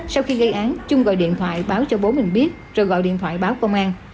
sau khi gây án trung gọi điện thoại báo cho bố mình biết rồi gọi điện thoại báo công an